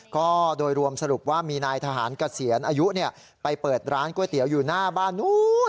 ก็โดยรวมสรุปว่ามีนายทหารเกษียณอายุไปเปิดร้านก๋วยเตี๋ยวอยู่หน้าบ้านนู้น